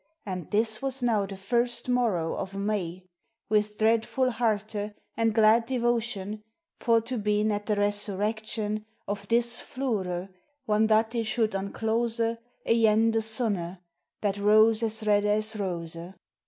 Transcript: And this was now the first morow of May, With dreadful* herte, and glad devotion For to been at the resurrection Of this floure, whan that it should unclose Againe the Sunne, that rose as redde as rose.